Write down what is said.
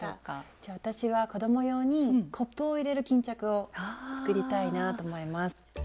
じゃあ私は子ども用にコップを入れる巾着を作りたいなぁと思います。